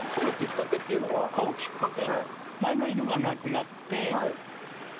「飼うきっかけ」。